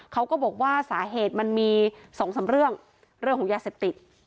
เขาก็บอกว่าสาเหตุมันมีสองสำเรื่องเรื่องของยาเสพติ